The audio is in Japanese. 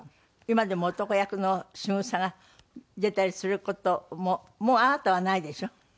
今でも男役のしぐさが出たりする事ももうあなたはないでしょ？